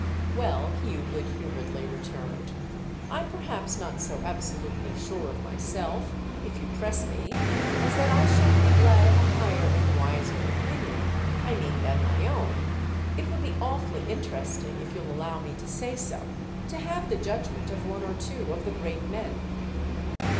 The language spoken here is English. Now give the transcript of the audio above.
"Well," Hugh good humouredly returned, "I'm perhaps not so absolutely sure of myself, if you press me, as that I sha'n't be glad of a higher and wiser opinion—I mean than my own. It would be awfully interesting, if you'll allow me to say so, to have the judgment of one or two of the great men."